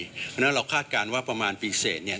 เพราะฉะนั้นเราคาดการณ์ว่าประมาณปีเสร็จเนี่ย